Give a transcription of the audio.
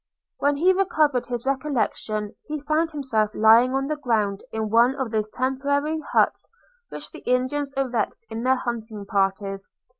When he recovered his recollection, he found himself lying on the ground in one of those temporary huts which the Indians erect in their hunting parties.